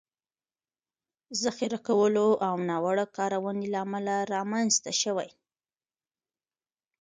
ذخیره کولو او ناوړه کارونې له امله رامنځ ته شوي